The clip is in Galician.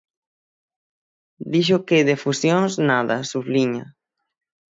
"Dixo que de fusións, nada", subliña.